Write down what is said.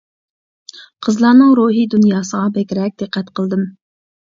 قىزلارنىڭ روھىي دۇنياسىغا بەكرەك دىققەت قىلدىم.